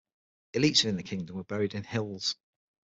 Elites within the kingdom were buried in hills.